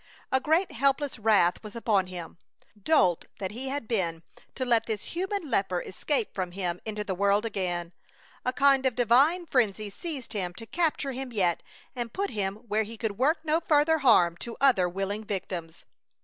A great helpless wrath was upon him. Dolt that he had been to let this human leper escape from him into the world again! A kind of divine frenzy seized him to capture him yet and put him where he could work no further harm to other willing victims.